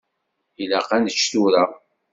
Ilaq ad nečč tura.